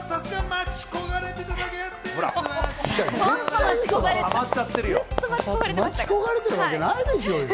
待ち焦がれてるわけないでしょ！